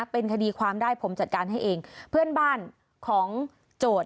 เป็นคดีความได้ผมจัดการให้เองเพื่อนบ้านของโจทย์